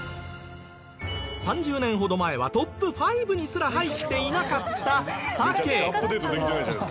３０年ほど前はトップ５にすら入っていなかったさけ。